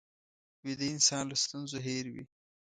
ویده انسان له ستونزو هېر وي